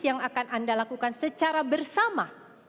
yang akan anda lakukan secara bersama